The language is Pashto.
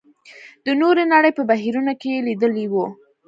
د نورې نړۍ په بهیرونو کې یې لېدلي وو.